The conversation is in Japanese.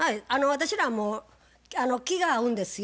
私らもう気が合うんですよ。